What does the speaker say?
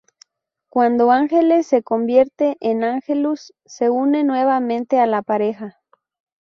Cuando Ángel se convierte en Angelus, se une nuevamente a la pareja.